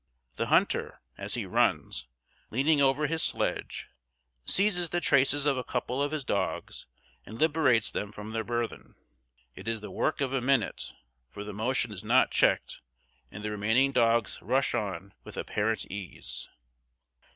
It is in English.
The hunter, as he runs, leaning over his sledge, seizes the traces of a couple of his dogs and liberates them from their burthen. It is the work of a minute, for the motion is not checked, and the remaining dogs rush on with apparent ease.